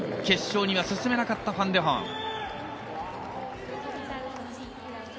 決勝には進めなかったファン・デホン。